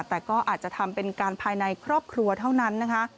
แต่ก็อาจจะทำเป็นการภายในครอบครัวเท่านั้นนะคะ